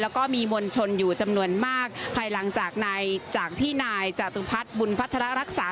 แล้วก็มีมวลชนอยู่จำนวนมากภายหลังจากในจากที่นายจตุพัฒน์บุญพัฒนารักษา